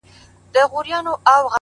زۀ بۀ خپل كور كې خوګېدمه ما بۀ چغې كړلې,